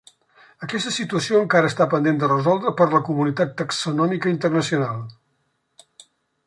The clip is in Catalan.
Aquesta situació encara està pendent de resoldre per la comunitat taxonòmica internacional.